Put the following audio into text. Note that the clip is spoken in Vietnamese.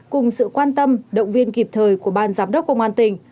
cùng sự quan tâm động viên kịp thời của ban giám đốc công an tỉnh